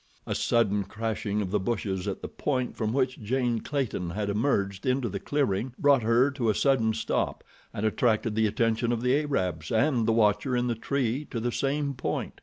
A sudden crashing of the bushes at the point from which Jane Clayton had emerged into the clearing brought her to a sudden stop and attracted the attention of the Arabs and the watcher in the tree to the same point.